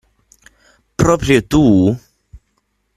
Proprio tu?